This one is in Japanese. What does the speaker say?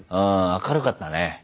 明るかったね。